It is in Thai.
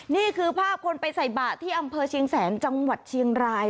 นี่คือภาพคนไปใส่บาทที่อำเภอเชียงแสนจังหวัดเชียงราย